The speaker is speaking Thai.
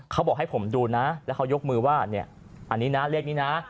เขาบอกให้ผมดูนะแล้วเขายกมือว่าเนี่ยอันนี้นะเลขนี้นะ